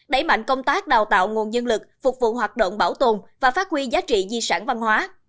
đẩy mạnh công tác đào tạo nguồn dân lực phục vụ hoạt động bảo tồn và phát huy giá trị di sản văn hóa